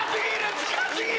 近過ぎる！